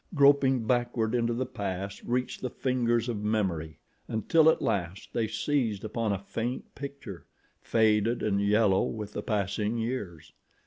Gropingly backward into the past reached the fingers of memory, until at last they seized upon a faint picture, faded and yellow with the passing years.